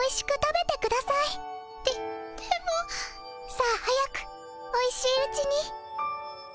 さあ早くおいしいうちに。